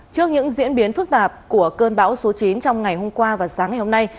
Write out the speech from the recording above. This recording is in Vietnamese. trước những diễn biến phức tạp của cơn bão số chín trong ngày hôm qua và sáng ngày hôm nay